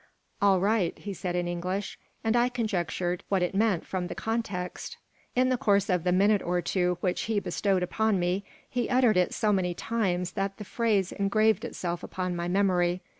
"All right" he said in English, and I conjectured what it meant from the context. In the course of the minute or two which he bestowed upon me he uttered it so many times that the phrase engraved itself upon my memory.